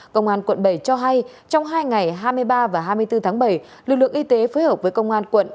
công an quận bảy cho hay trong hai ngày hai mươi ba và hai mươi bốn tháng bảy lực lượng y tế phối hợp với công an quận